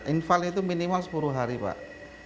infal itu minimal sepuluh hari pak